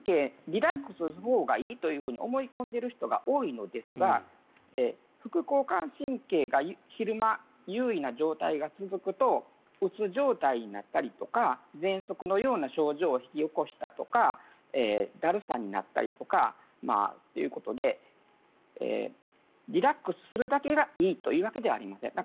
リラックスするほうがいいと思い込んでいる人が多いのですが副交感神経が昼間、優位な状態が続くとうつ状態になったりとかぜんそくのような症状を引き起こしたりとかだるさになったりとかということでリラックスするだけがいいということではありません。